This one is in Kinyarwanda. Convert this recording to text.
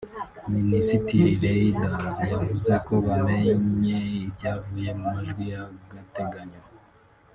Minisitiri Reynders yavuze ko bamenye ibyavuye mu majwi y’agateganyo